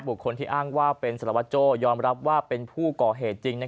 คนที่อ้างว่าเป็นสารวัตโจ้ยอมรับว่าเป็นผู้ก่อเหตุจริง